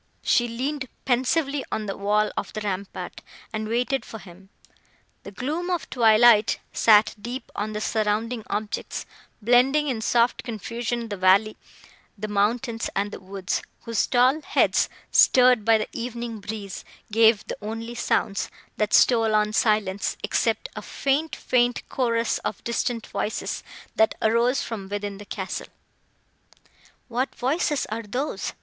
She leaned pensively on the wall of the rampart, and waited for him. The gloom of twilight sat deep on the surrounding objects, blending in soft confusion the valley, the mountains, and the woods, whose tall heads, stirred by the evening breeze, gave the only sounds, that stole on silence, except a faint, faint chorus of distant voices, that arose from within the castle. "What voices are those?"